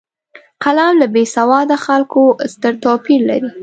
قلم له بېسواده خلکو ستر توپیر لري